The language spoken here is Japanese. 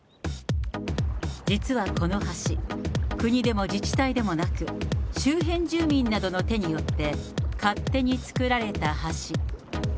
実はこの橋、国でも自治体でもなく、周辺住民などの手によって、勝手に造られた橋。